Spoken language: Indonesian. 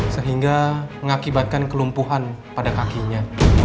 sehingga mengakibatkan kelumpuhan pada kakinya